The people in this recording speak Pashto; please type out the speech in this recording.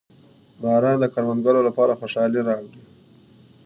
• باران د کروندګرو لپاره خوشحالي راوړي.